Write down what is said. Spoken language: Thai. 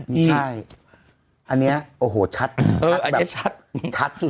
ใช่อันนี้โอ้โหชัดแบบชัดสุด